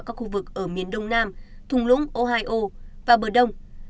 các khu vực ở miền đông nam thùng lũng ohio và bờ đông